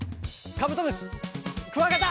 カブトムシクワガタ！